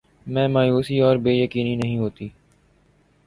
میں مایوسی اور بے یقینی نہیں ہوتی